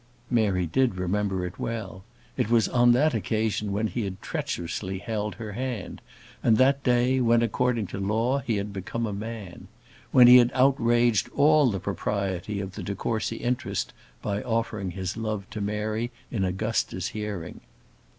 Mary did remember it well. It was on that occasion when he had treacherously held her hand; on that day when, according to law, he had become a man; when he had outraged all the propriety of the de Courcy interest by offering his love to Mary in Augusta's hearing.